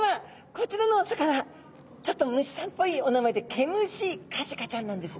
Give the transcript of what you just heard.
こちらのお魚ちょっと虫さんっぽいお名前でケムシカジカちゃんなんです。